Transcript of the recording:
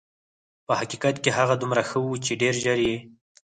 په حقیقت کې هغه دومره ښه وه چې ډېر ژر یې.